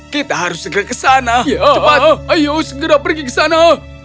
kita harus segera ke sana cepat ayo segera pergi ke sana